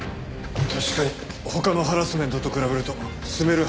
確かに他のハラスメントと比べるとスメル